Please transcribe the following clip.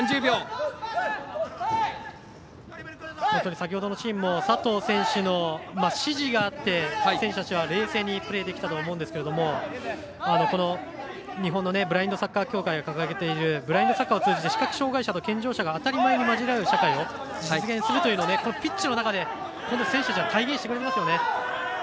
先ほどのチームも佐藤選手の指示があって選手たちは冷静にプレーできたと思うんですけど日本のブラインドサッカー協会の掲げるブラインドサッカーを通じて視覚障がい者と健常者が当たり前に交じり合う社会を実現するというのをピッチの中で選手たちが体現してくれていますよね。